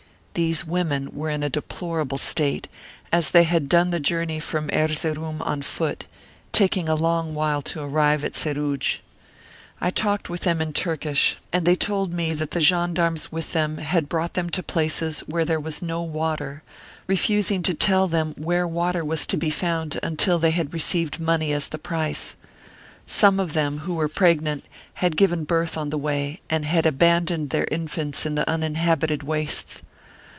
These women were in a deplorable state, as they had done the journey from Erzeroum on foot, taking a long while to arrive at Seruj. ^ I talked with them in Turkish, and they 14 Martyred Armenia told me that the gendarmes with them had brought them to places where there was no water, re fusing to tell them where water was to be found until they had received money as the price. Some of them, who were pregnant, had given birth on the way, and had abandoned their infants in the un inhabited wastes.